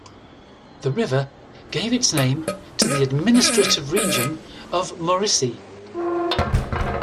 The river gave its name to the administrative region of Mauricie.